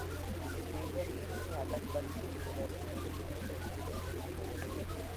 দীর্ঘদিন তিনি আকাশবাণী ও দূরদর্শনের নিয়মিত শিল্পী ছিলেন।